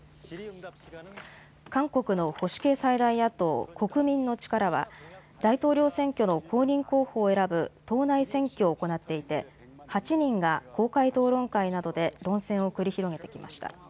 韓国の保守系最大野党、国民の力は大統領選挙の公認候補を選ぶ党内選挙を行っていて８人が公開討論会などで論戦を繰り広げてきました。